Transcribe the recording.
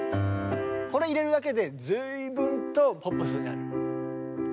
これ入れるだけで随分とポップスになる。